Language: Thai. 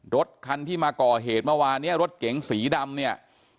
รถคันที่มาก่อเหตุเมื่อวานเนี่ยรถเก๋งสีดำเนี่ย